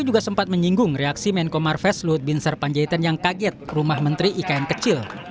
juga sempat menyinggung reaksi menko marves luhut bin sarpanjaitan yang kaget rumah menteri ikn kecil